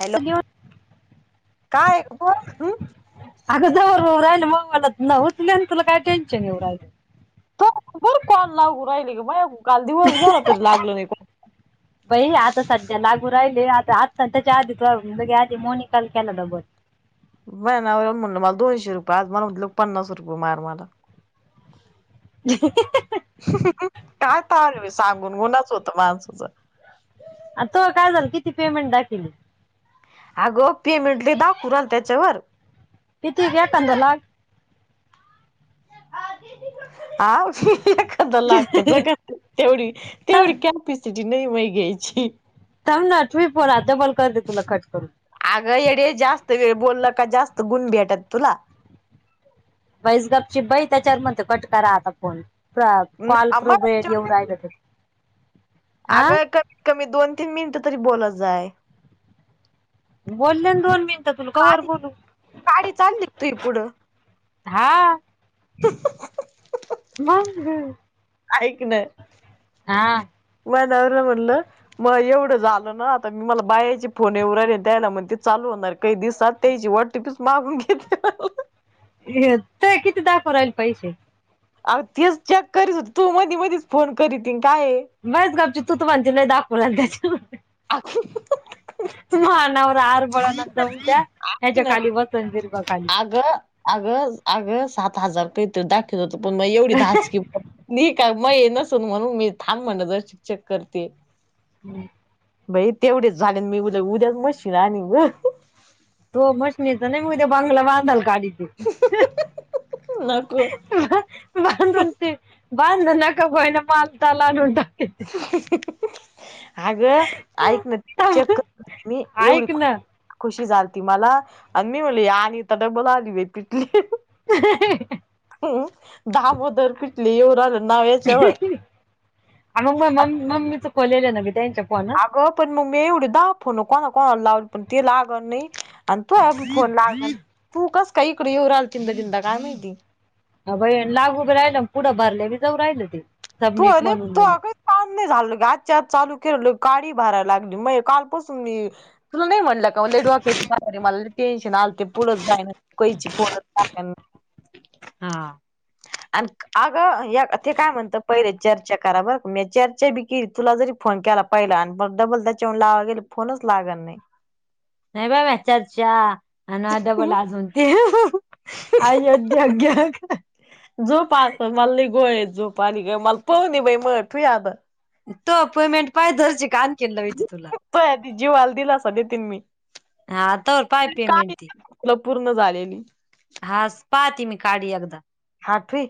Hello उचली काय ब ह, अगं ज राहिल मवाला नव्हत आणि तुला काय टेन्शन येऊ राहिल. चालु लागू राहिले ग मग काल दिवस भरातच लागले नाही कोण. [inaudible] बाई आता सध्या लागू राहिले आता आ त्याच्या आधीच म्हे आधी मोनिकाल केला डबल. वळणावर हाय म्हनल मला दोनशे रुपये आज मला म्हल पन्नास रुपये मार मला, [unintelligible] काय तलवी सांगून गुनाच होत माणसाच. तो काय झालं किती पेमेंट दाखेल. अग पेमेंट लय दाखवुन राहिल त्याच्यावर. किती घ्य कंद लाग. आ एखाद लाक जग- तेवढी थांब तेवढी कॅपेसिटी नाही मग घ्यायची. ताव नठवी पण आता पण करते तुला कट करून- अगं येडे जास्त वेळ बोलल का जास्त गुण भेटत तुला- बैसगापची बाई त्याच्यावर म्हणते कट करा आता फोन. कॉल अगं प्रोवेट येवु राहिलं कमीत कमी दोन तीन मिनिटं तरी बोलत जाय. बोलले दोन मिनट तुल का वर काडी बोलू- काडी चालली तुही पुढं हा [unintelligible] मग ऐक न, हा वडवरन म्हणटलं, मला एवढं झालं ना आता मी मला बायाची फोन येऊ राहिली त्यायला म्हण ते चालू होणार कइ दिवसात. त्याची वाटीपीच मागून घेतल्या. हे ते किती दाखव राहिल पैसेे- अग तीच चेक करीच होती तु मधी मधीच फोन करी ती आणि काय बस गापची तूच म्हणती नाही दाखवला त्याच्या मध्ये [unintelligible] मा नवरा आरबळा नंतऊ द्या ह्याच्या ना खाली वतनजीर्वा काली- [unintelligible] अगं अगं अगं सात हजार रूपये इथं दाखवित होत पण मग एवढी दास की मी का मये नसून म्हणून मी थान म्हण जर चेक करते [unintelligible] हम्म बाई तेवढेच झाले मी उद्या उद्याच मशीन आणि गं तो मशनीचा नाही उद्या बांगला बांधाला काढती. नको [inaudible] आगं ऐकू ना चेक कर मी एवढी ऐक ना खुश [inaudible] [inaudible] ह् दहा बुधर पिटली येऊ आलं नाव याच्यावर [unintelligible] आणि मग म्हणलं मम्मी चूकवलेल ना मी त्यांच्या फोन अगं पण मी एवढे दहा फोन कोणा कोणाला लावली पण ते लागणार नाही. आणि तू अ फोन लागला तू कसं काय इकडे येऊ राहिल तिनदा तिनदा काय माहिती ह बई लागू बी राहिल पुढं भरले बी जाऊ राहिलं [unintelligible] [inaudible] म्हणून लगे काम नाही झालं आजच्या आज चालू केलं गाडी भारायला लागली मग कालपासून मी तुला नाही म्हटलं का डोक्याची बाहेर मला टेन्शन आलते पुढचं जायना कैची पुढचं जायना. हा आणि अगं या ते काय म्हणतं पहिले चर्चा करा बरं का मी चर्चा बी कीली तुला जरी फोन केला पहिला आणि मग डबल त्याच्या लावाला गेले फोनच लागलं नाही. [inaudible] [inaudible] झोपा आता मला लय गोळ्यानी झोप आली ग मला पडू दे तो अपॉइंटमेंट पाय दरची काल केलंत मी [unintelligible] तुझ्या जीवाला दिलासा देते मी हा तर पाय पेमेंट काय ती तुला पूर्ण झालेली. [inaudible] हा ठेव.